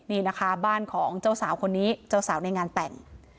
นี่นะคะบ้านของเจ้าสาวในงานแต่ง